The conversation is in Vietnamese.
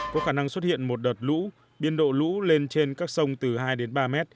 có khả năng xuất hiện một đợt lũ biên độ lũ lên trên các sông từ hai đến ba m